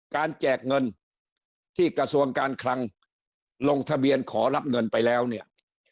แจกเงินที่กระทรวงการคลังลงทะเบียนขอรับเงินไปแล้วเนี่ย